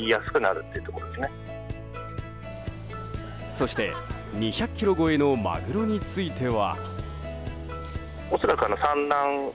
そして２００ｋｇ超えのマグロについては。